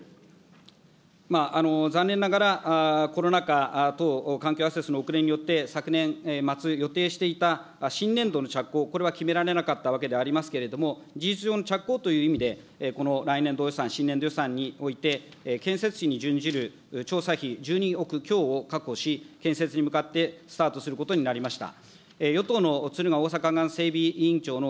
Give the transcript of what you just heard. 残念ながら、コロナ禍等、関係アセスの遅れ等により、昨年末予定していた新年度の着工、これは決められなかったわけでありますけれども、事実上の着工という意味で、この来年度予算、新年度予算において、建設費に準ずる調査費１２億強を確保し、建設に向かってスタートすることになりました。